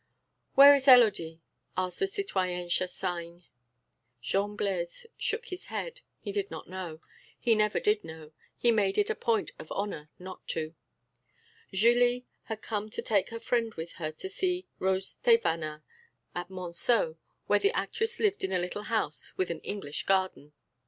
"Where is Élodie?" asked the citoyenne Chassagne. Jean Blaise shook his head; he did not know. He never did know; he made it a point of honour not to. Julie had come to take her friend with her to see Rose Thévenin at Monceaux, where the actress lived in a little house with an English garden.